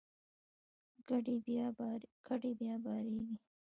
کډې بیا بارېږي.